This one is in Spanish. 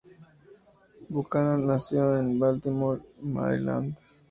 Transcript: Buchanan nació en Baltimore, Maryland.